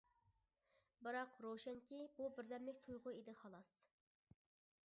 بىراق، روشەنكى بۇ بىردەملىك تۇيغۇ ئىدى خالاس!